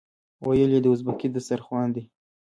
ویل یې دا ازبکي دسترخوان دی.